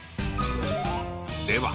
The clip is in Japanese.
では